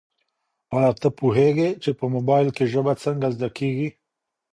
ایا ته پوهېږې چي په موبایل کي ژبه څنګه زده کیږي؟